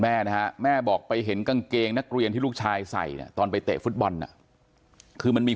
แม่นะฮะแม่บอกไปเห็นกางเกงนักเรียนที่ลูกชายใส่เนี่ยตอนไปเตะฟุตบอลน่ะคือมันมี